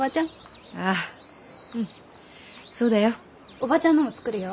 おばちゃんのも作るよ。